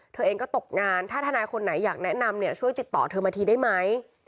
เธอเองก็ตกงานถ้าทนายคนไหนอยากแนะนำเนี่ยช่วยติดต่อเธอมาทีได้ไหม